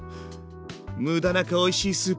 無駄なくおいしいスープ。